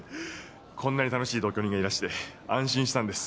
こんなに楽しい同居人がいらして安心したんです。